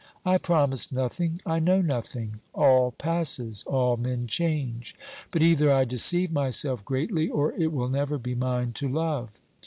I promise nothing, I know nothing, all passes, all men change; but either I deceive myself greatly or it will never be mine to love.